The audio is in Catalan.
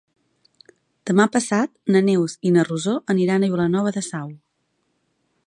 Demà passat na Neus i na Rosó aniran a Vilanova de Sau.